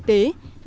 cắt giảm thực tế